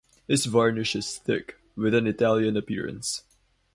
His varnish is thick, with an Italian appearance.